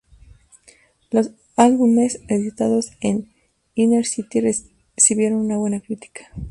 Los álbumes editados con Inner City recibieron una buena crítica.